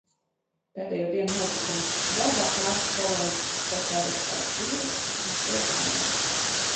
Pēdējo dienu notikumi: Darbā pāris kolēģu saķēruši kādus vīrusus un sēž mājās.